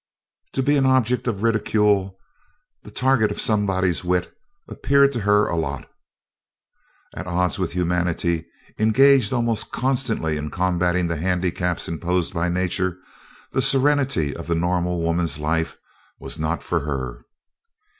To be an object of ridicule, the target of somebody's wit, appeared to be her lot. At odds with humanity, engaged almost constantly in combating the handicaps imposed by Nature, the serenity of the normal woman's life was not for her.